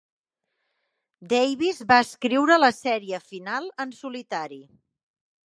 Davis va escriure la sèrie final en solitari.